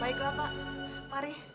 baiklah pak mari